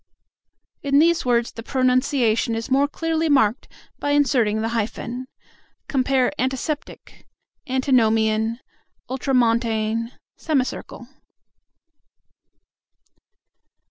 In these words the pronunciation is more clearly marked by inserting the hyphen. Compare "antiseptic," "antinomian," "ultramontane," "semicircle."